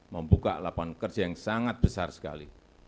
membuka lapangan kerja yang sangat besar sekali